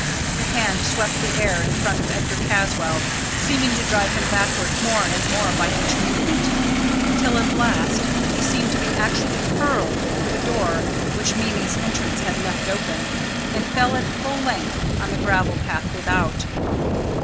Her hand swept the air in front of Edgar Caswall, seeming to drive him backward more and more by each movement, till at last he seemed to be actually hurled through the door which Mimi's entrance had left open, and fell at full length on the gravel path without.